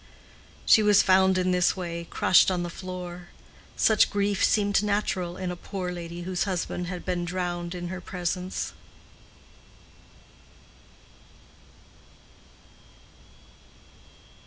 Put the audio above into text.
She was found in this way, crushed on the floor. Such grief seemed natural in a poor lady whose husband had been drowned in her presence.